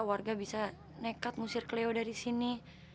warga bisa nekat ngusir keleo dari sini